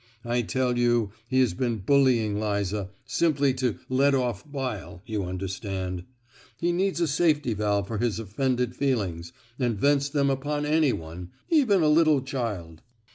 I tell you, he has been bullying Liza, simply to 'let off bile,'—you understand. He needs a safety valve for his offended feelings, and vents them upon anyone, even a little child!